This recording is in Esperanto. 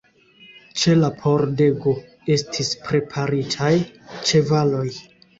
Ĉe la pordego estis preparitaj ĉevaloj.